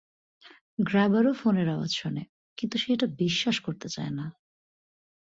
গ্র্যাবারও ফোনের আওয়াজ শোনে, কিন্তু সে এটা বিশ্বাস করতে চায় না।